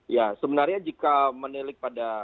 ya sebenarnya jika menilik pada